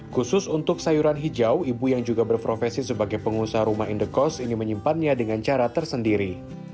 khusus untuk sayuran hijau ibu yang juga berprofesi sebagai pengusaha rumah indekos ini menyimpannya dengan cara tersendiri